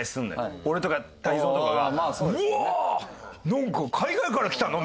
なんか海外から来たの？」